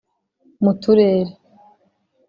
mu Turere